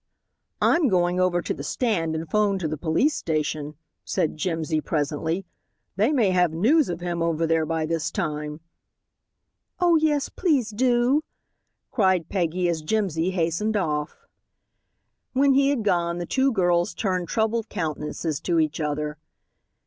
"I'm going over to the stand and 'phone to the police station," said Jimsy presently; "they may have news of him over there by this time." "Oh, yes, please do," cried Peggy, as Jimsy hastened off. When he had gone the two girls turned troubled countenances to each other.